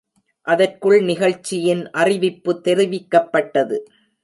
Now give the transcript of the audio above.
அதற்குள் நிகழ்ச்சியின் அறிவிப்பு தெரிவிக்கப்பட்டது.